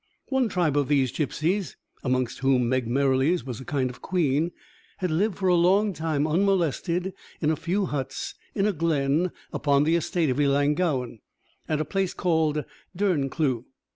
One tribe of these gipsies, amongst whom Meg Merrilies was a kind of queen, had lived for a long time unmolested in a few huts in a glen upon the estate of Ellangowan, at a place called Derncleugh.